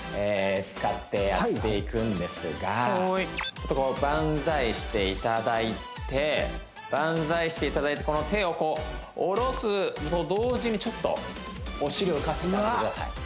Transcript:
使ってやっていくんですがちょっとこうバンザイしていただいてバンザイしていただいてこの手をこうおろすと同時にちょっとお尻を浮かせてあげてください